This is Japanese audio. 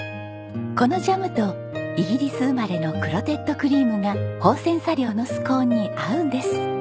このジャムとイギリス生まれのクロテッドクリームが芳泉茶寮のスコーンに合うんです。